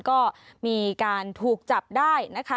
ก็มีการถูกจับได้นะคะ